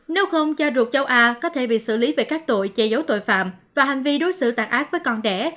nếu không cha ruột cháu a có thể bị xử lý về các tội chê giấu tội phạm và hành vi đối xử tàn ác với con đẻ